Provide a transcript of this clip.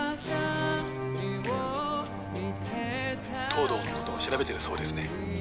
藤堂のことを調べてるそうですね。